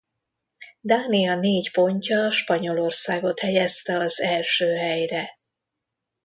Dánia négy pontja Spanyolországot helyezte az első helyre.